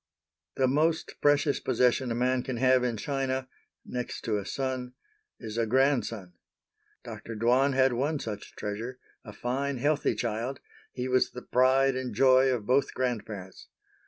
The most precious possession a man can have in China, next to a son, is a grandson. Dr. Dwan had one such treasure; a fine healthy child, he was the pride and joy of both grandparents.